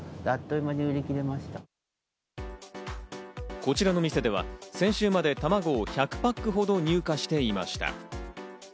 こちらの店では先週まで、たまごを１００パックほど入荷していました。